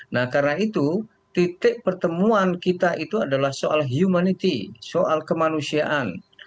nah karena itu titik pertemuan kita itu adalah soal humanity soal kemanusiaan